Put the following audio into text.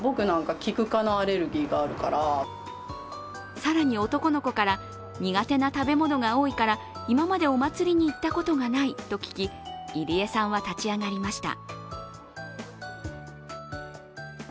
更に、男の子から苦手な食べ物が多いから今までお祭りに行ったことがないと聞き、入江さんは立ち上がりました。